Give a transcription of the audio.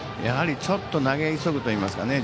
やはり、ちょっと投げ急ぐといいますか